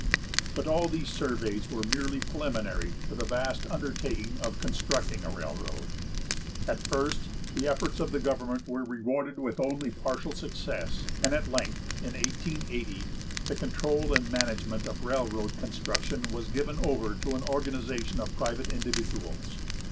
But all these surveys were merely preliminary to the vast undertaking of constructing a railroad. At first, the efforts of the government were rewarded with only partial success, and at length, in 1880, the control and management of railroad construction was given over to an organization of private individuals.